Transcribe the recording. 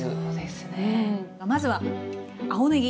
まずは青ねぎ。